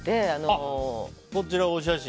こちら、お写真。